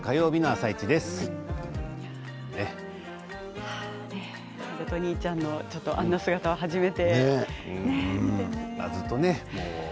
悠人兄ちゃんのあんな姿初めて。